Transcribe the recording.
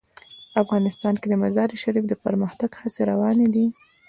افغانستان کې د مزارشریف د پرمختګ هڅې روانې دي.